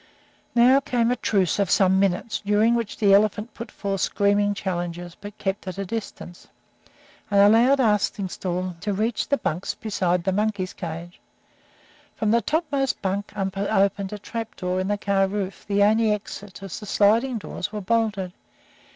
Now came a truce of some minutes, during which the elephant put forth screaming challenges, but kept at a distance, and allowed Arstingstall to reach the bunks beside the monkeys' cages. From the topmost bunk opened a trap door in the car roof, the only exit, as the sliding side doors were bolted.